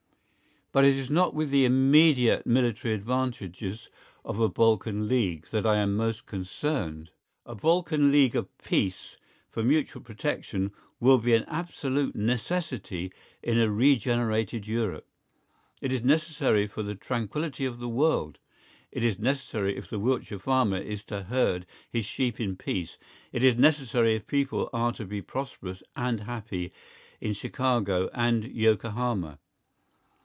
But it is not with the immediate military advantages of a Balkan League that I am most concerned. A Balkan League of Peace, for mutual protection, will be an absolute necessity in a regenerated Europe. It is necessary for the tranquillity of the world. It is necessary if the Wiltshire farmer is to herd his sheep in peace; it is necessary if people are to be prosperous and happy in Chicago and Yokohama.